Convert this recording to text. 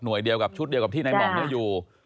หน่วยเฉพาะเช่าเฉพาะที่นายหม่อน่าอยู่